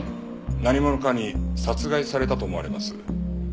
何者かに殺害されたと思われます。